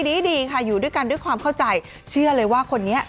ที่บ้านไฟเขียวมากแม่หนูบอกไฟเขียว